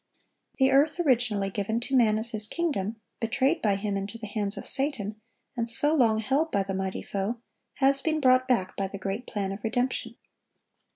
(1176) The earth originally given to man as his kingdom, betrayed by him into the hands of Satan, and so long held by the mighty foe, has been brought back by the great plan of redemption.